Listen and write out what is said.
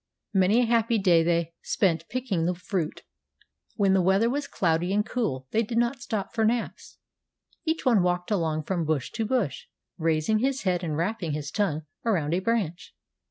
Many a happy day they spent picking the fruit. When the weather was cloudy and cool they did not stop for naps. Each one walked along from bush to bush, raising his head and wrapping his tongue around a branch.